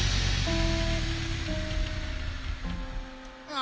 あ！